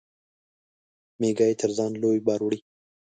مېږى تر ځان لوى بار وړي.